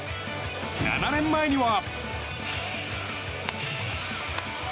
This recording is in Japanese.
７年前には。